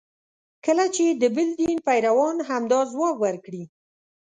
کله چې د بل دین پیروان همدا ځواب ورکړي.